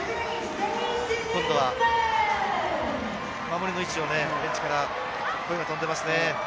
今度は守りの位置をベンチから声が飛んでますね。